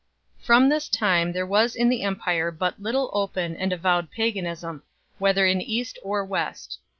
From this time there was in the Empire but little open and avowed paganism, whether in East or West.